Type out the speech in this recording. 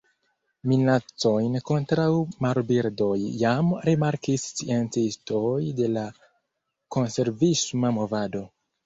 Minacojn kontraŭ marbirdoj jam rimarkis sciencistoj de la konservisma movado.